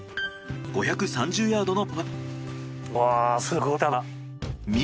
５３０ヤードのパー５。